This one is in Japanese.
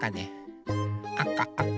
あかあか。